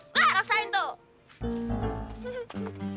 wah rasaan tuh